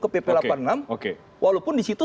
ke pp delapan puluh enam walaupun disitu